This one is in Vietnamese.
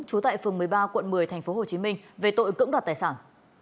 trú tại phường một mươi ba quận một mươi tp hcm về tội cưỡng đoạt tài sản